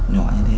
nhỏ như thế